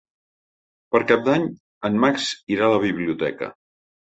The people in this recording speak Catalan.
Per Cap d'Any en Max irà a la biblioteca.